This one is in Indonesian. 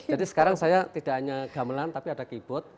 jadi sekarang saya tidak hanya gamelan tapi ada keyboard